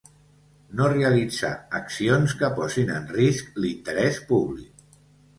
No realitzar accions que posin en risc l'interès públic.